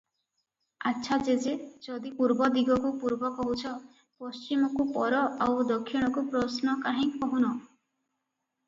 ଆଛା ଜେଜେ ଯଦି ପୂର୍ବ ଦିଗକୁ ପୂର୍ବ କହୁଛ, ପଶ୍ଚିମକୁ ପର ଆଉ ଦକ୍ଷିଣ କୁ ପ୍ରଶ୍ନ କାହିଁକି କହୁନ?